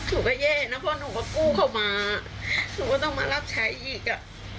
หนูไม่พูดอ่ะหนูก็เย่นะพอหนูก็กู้เขามาหนูก็ต้องมารับใช้อีกอ่ะ